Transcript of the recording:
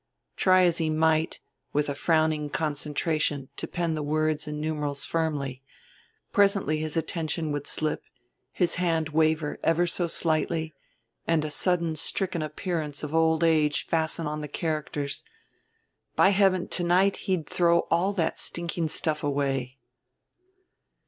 Try as he might, with a frowning concentration, to pen the words and numerals firmly, presently his attention would slip, his hand waver ever so slightly, and a sudden stricken appearance of old age fasten on the characters.... By heaven, to night he'd throw all that stinking stuff away!